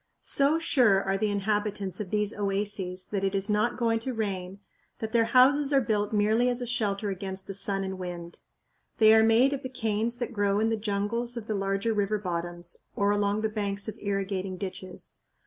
So sure are the inhabitants of these oases that it is not going to rain that their houses are built merely as a shelter against the sun and wind. They are made of the canes that grow in the jungles of the larger river bottoms, or along the banks of irrigating ditches.